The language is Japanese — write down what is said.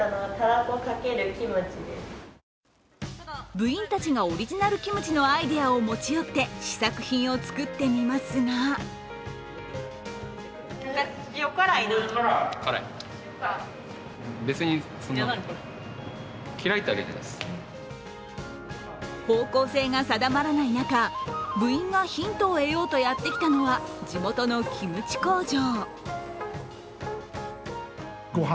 部員たちがオリジナルキムチのアイデアを持ち寄って試作品を作ってみますが方向性が定まらない中、部員がヒントを得ようとやってきたのは地元のキムチ工場。